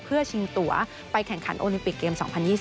เพื่อชิงตัวไปแข่งขันโอลิมปิกเกม๒๐๒๐